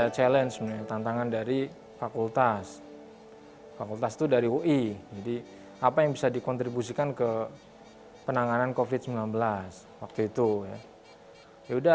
kami juga akan membuat sampel sampel dari covid sembilan belas